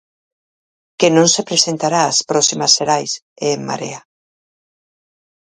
Quen non se presentará ás próximas xerais é En Marea.